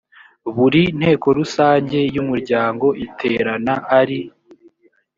buri nteko rusange y umuryango iterana ari